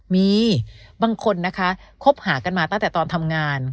มีบางคนนะคะคบหากันมาตั้งแต่ตอนทำงาน